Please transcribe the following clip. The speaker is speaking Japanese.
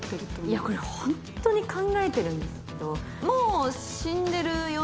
いやこれホントに考えてるんですけど。